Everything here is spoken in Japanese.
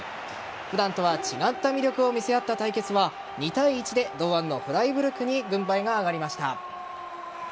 普段とは違った魅力を見せ合った対決は２対１で、堂安のフライブルクに軍配が上がりました。